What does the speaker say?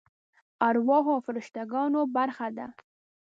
ارواحو او فرشته ګانو برخه ده.